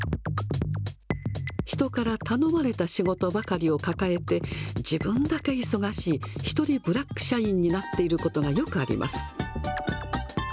人から頼まれた仕事ばかりを抱えて、自分だけ忙しい１人ブラック社員になっていることがよくあります。